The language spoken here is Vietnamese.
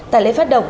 tại lễ phát động